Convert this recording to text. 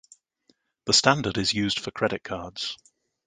The standard is used for credit cards.